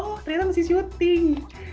oh ternyata masih syuting